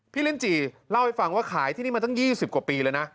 ลินจีเล่าให้ฟังว่าขายที่นี่มาตั้ง๒๐กว่าปีแล้วนะ